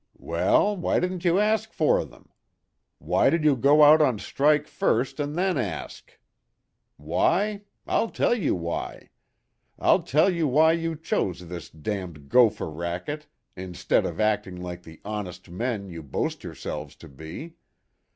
"Well, why didn't you ask for them? Why did you go out on strike first, and then ask? Why? I'll tell you why. I'll tell you why you chose this damned gopher racket instead of acting like the honest men you boast yourselves to be.